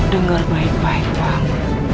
dengar baik baik bang